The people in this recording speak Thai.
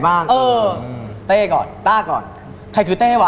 มาเตะ